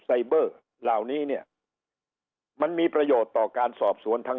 ไซเบอร์เหล่านี้เนี่ยมันมีประโยชน์ต่อการสอบสวนทาง